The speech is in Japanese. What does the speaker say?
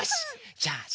じゃあさ